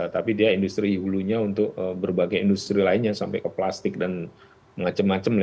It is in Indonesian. tapi dia industri hulunya untuk berbagai industri lainnya sampai ke plastik dan macam macam